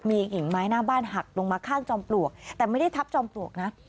มีกิ่งไม้หน้าบ้านหักลงมาข้างจอมปลวกแต่ไม่ได้ทับจอมปลวกนะ